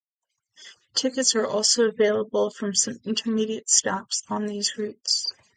Tickets are also available from some intermediate stops on these routes.